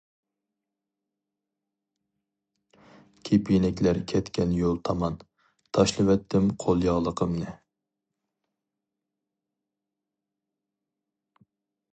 كېپىنەكلەر كەتكەن يول تامان، تاشلىۋەتتىم قول ياغلىقىمنى.